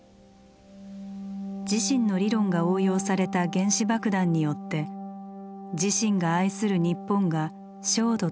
自身の理論が応用された原子爆弾によって自身が愛する日本が焦土と化した。